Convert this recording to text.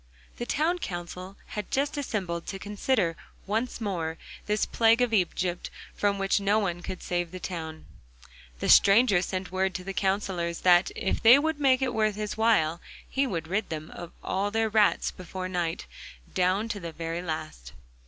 The town council had just assembled to consider once more this plague of Egypt, from which no one could save the town. The stranger sent word to the counsellors that, if they would make it worth his while, he would rid them of all their rats before night, down to the very last.